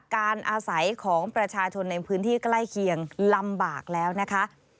การอาศัยของประชาชนในพื้นที่ใกล้เคียงลำบากแล้วนะคะ